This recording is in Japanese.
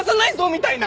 みたいな。